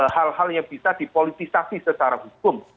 hal hal yang bisa dipolitisasi secara hukum